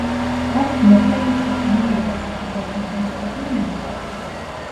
აქვთ მოკლე კისერი, მოკლე და საფუძველთან შემაღლებული ნისკარტი.